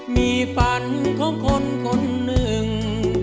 มีฝันของคนคนหนึ่ง